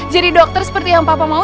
jadi dokter seperti yang papa mau